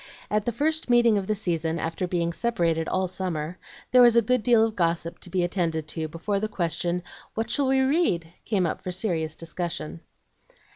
At the first meeting of the season, after being separated all summer, there was a good deal of gossip to be attended to before the question, "What shall we read?" came up for serious discussion.